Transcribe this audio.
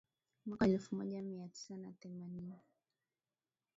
Mwaka wa elfu moja mia tisa na themanini